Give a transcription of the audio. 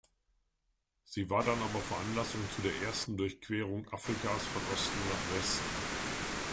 Sie war dann aber Veranlassung zu der ersten Durchquerung Afrikas von Osten nach Westen.